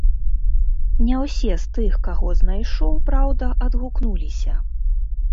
Не ўсе з тых, каго знайшоў, праўда, адгукнуліся.